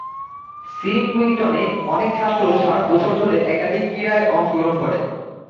C. মিল্টনে, অনেক ছাত্র সারা বছর ধরে একাধিক ক্রীড়ায় অংশগ্রহণ করে।